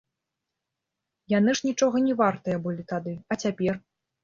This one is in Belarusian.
Яны ж нічога не вартыя былі тады, а цяпер?